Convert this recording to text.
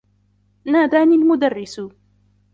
ناداني المدرّس.